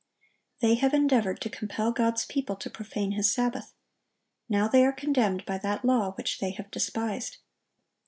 They have endeavored to compel God's people to profane His Sabbath. Now they are condemned by that law which they have despised.